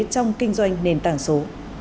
trong kinh doanh nền tảng số